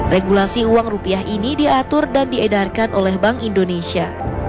regulasi uang rupiah ini diatur dan diedarkan oleh bank indonesia